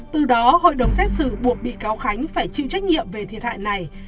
từ đó hội đồng xét xử buộc bị cáo khánh phải chịu trách nhiệm về thiệt hại này